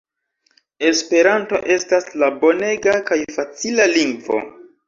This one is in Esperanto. Esperanto estas la bonega kaj facila lingvo.